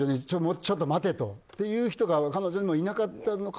ちょっと待てと。っていう人が彼女にいなかったのか